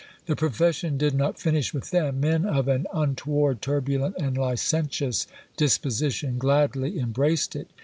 The profession did not finish with them: men of an untoward, turbulent, and licentious disposition, gladly embraced it.